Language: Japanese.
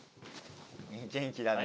元気だね。